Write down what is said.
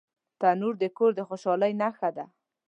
تنور د کور د خوشحالۍ نښه ده